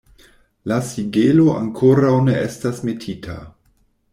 La sigelo ankoraŭ ne estas metita.